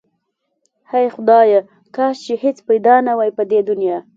هی خدایا کاش چې هیڅ پیدا نه واي په دی دنیا